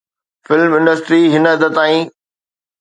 film industry هن حد تائين